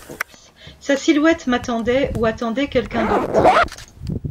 Sa silhouette m’attendait, ou attendait quelqu'un d'autre.